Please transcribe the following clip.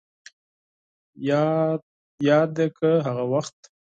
ياده کړه هغه وخت